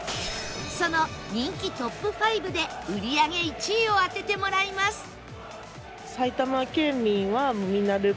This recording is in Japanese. その人気トップ５で売り上げ１位を当ててもらいます